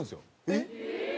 えっ？